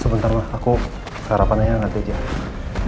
sebentar aku sarapannya yang ada di jalan